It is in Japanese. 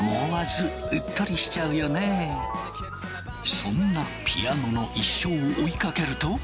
そんなピアノの一生を追いかけると。